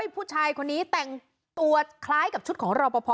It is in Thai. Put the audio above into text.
ผู้ชายคนนี้แต่งตัวคล้ายกับชุดของรอปภ